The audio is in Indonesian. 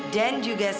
dan juga suratnya